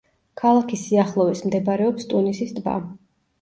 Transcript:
ქალაქის სიახლოვეს მდებარეობს ტუნისის ტბა.